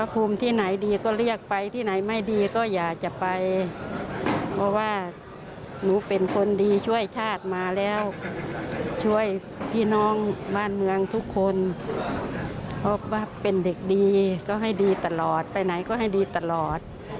เพราะว่าเป็นเด็กดีก็ให้ดีตลอดไปไหนก็ให้ดีตลอด